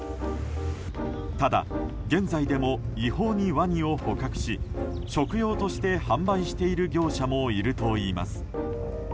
ただ、現在でも違法にワニを捕獲し食用として販売している業者もいるといいます。